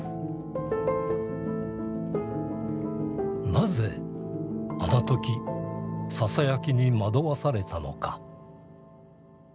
なぜあの時ささやきに惑わされたのか。